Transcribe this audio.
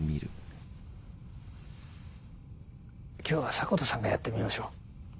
今日は迫田さんがやってみましょう。